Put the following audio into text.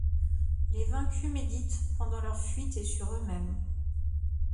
Les vaincus méditent pendant leur fuite et sur eux-mêmes